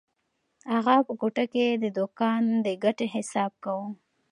اغا په کوټه کې د دوکان د ګټې حساب کاوه.